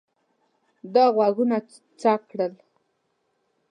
ده غوږونه څک کړل.